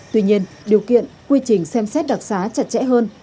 tuy nhiên điều kiện quy trình xem xét đặc xá chặt chẽ hơn